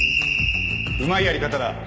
うまいやり方だ。